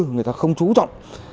người ta không chú trọng